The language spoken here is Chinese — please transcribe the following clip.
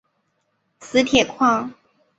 磁铁矿。